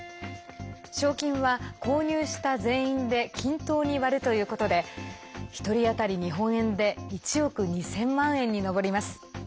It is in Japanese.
賞金は購入した全員で均等に割るということで１人当たり日本円で１億２０００万円に上ります。